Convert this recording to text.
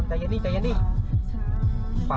จนใจเต้นอยู่